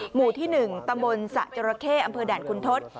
หมู่ที่๑ตำบลสะจราเข้อำเภอด่านคุณทศ